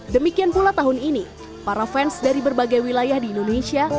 demikian pula tahun ini para fans dari berbagai wilayah di indonesia